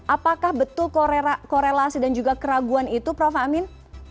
apakah betul korelasi dan juga keraguan itu prof amin